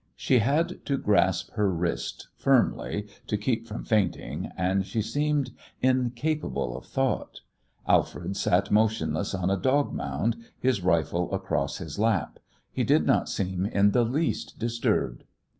She had to grasp her wrist firmly to keep from fainting, and she seemed incapable of thought. Alfred sat motionless on a dog mound, his rifle across his lap. He did not seem in the least disturbed.